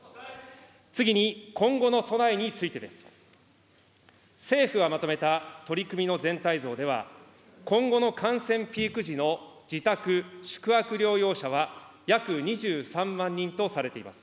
次に今後の備えについてです。政府がまとめた取り組みの全体像では、今後の感染ピーク時の自宅・宿泊療養者は、約２３万人とされています。